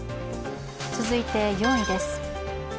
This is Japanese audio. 続いて４位です。